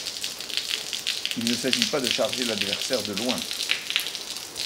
Il ne s'agit pas de charger l'adversaire de loin.